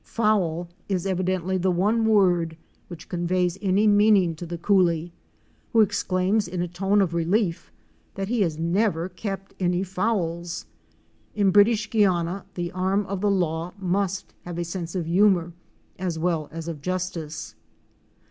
Foul is evidently the one word which con veys any meaning to the coolie, who exclaims in a tone of relief that he has never kept any "fowls"! In British Guiana the arm of the law must have a sense of humor as well as of justice!